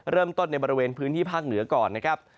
เริ่มต้นในบริเวณพื้นที่ภาคเหนือก่อนนะครับ